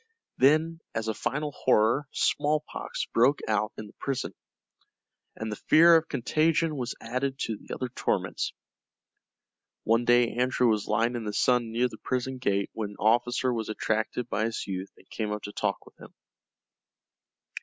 Then as a final horror smallpox broke out in the prison, and the fear of contagion was added to the other torments. One day Andrew was lying in the sun near the prison gate when an officer was attracted by his youth and came up to talk with him.